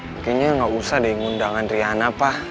mungkinnya gak usah deh ngundang adriana pak